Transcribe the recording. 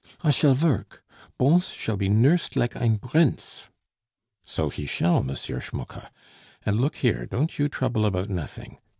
"I shall vork; Bons shall be nursed like ein brince." "So he shall, M. Schmucke; and look here, don't you trouble about nothing.